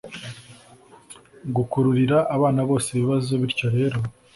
Gukururira abana bose ibibazo bityo rero